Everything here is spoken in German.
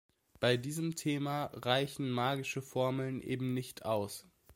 Bei diesem Thema reichen magische Formeln eben nicht aus.